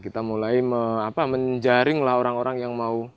kita mulai menjaringlah orang orang yang mau